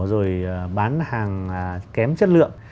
rồi bán hàng kém chất lượng